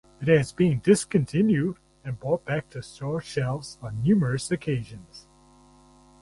It has been discontinued and brought back to store shelves on numerous occasions.